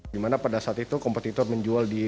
dimana pada saat itu kompetitor menjual di